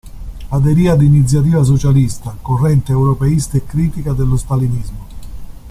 Aderì ad "Iniziativa socialista", corrente europeista e critica dello stalinismo.